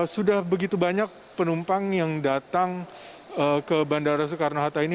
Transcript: sudah begitu banyak penumpang yang datang ke bandara soekarno hatta ini